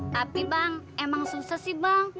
tapi bang emang susah sih bang